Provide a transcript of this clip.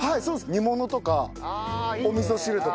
煮物とかおみそ汁とか。